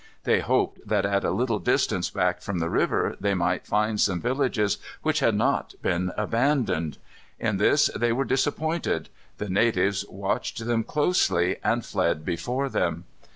They hoped that at a little distance back from the river they might find some villages which had not been abandoned. In this they were disappointed. The natives watched them closely, and fled before them.